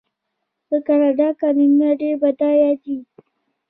د کاناډا کانونه ډیر بډایه دي.